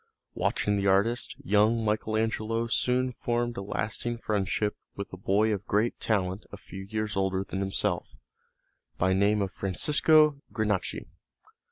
Watching the artists, young Michael Angelo soon formed a lasting friendship with a boy of great talent a few years older than himself, by name Francesco Granacci.